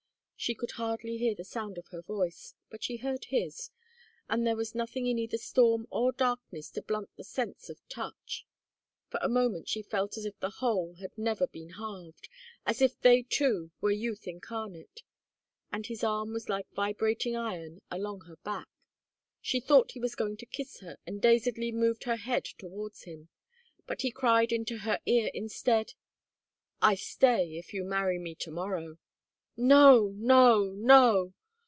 She could hardly hear the sound of her voice. But she heard his, and there was nothing in either storm or darkness to blunt the sense of touch. For a moment she felt as if the whole had never been halved, as if they two were youth incarnate; and his arm was like vibrating iron along her back. She thought he was going to kiss her and dazedly moved her head towards him. But he cried into her ear instead: "I stay if you marry me to morrow." "No, no, no!"